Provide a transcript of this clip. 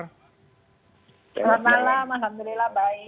selamat malam alhamdulillah baik